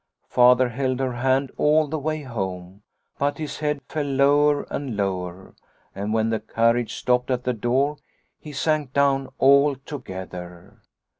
" Father held her hand all the way home, but his head fell lower and lower, and when the carriage stopped at the door he sank down altogether.